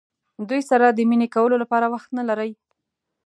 دوی سره د مینې کولو لپاره وخت نه لرئ.